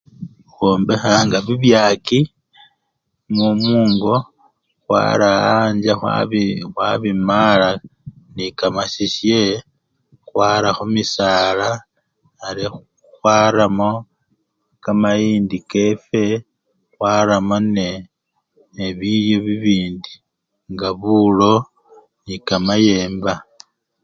Khwombekhanga bibyaki mu! mungo, khwara anjje khwa! khwabimala nekamasisye khwara khumisala ari khwaramo kamayndi kefwe, khwaramo ne! nebilyo bibindi nga bulo nende kamayemba.